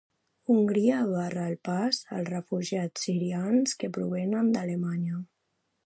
Hongria barra el pas als refugiats sirians que provenen d'Alemanya.